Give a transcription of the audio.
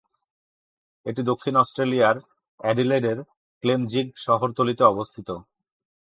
এটি দক্ষিণ অস্ট্রেলিয়ার অ্যাডিলেডের ক্লেমজিগ শহরতলিতে অবস্থিত।